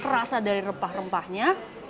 rasa dari rempah rempahnya